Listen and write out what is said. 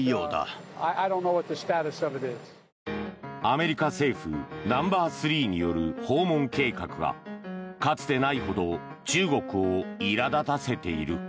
アメリカ政府ナンバースリーによる訪問計画がかつてないほど中国をいら立たせている。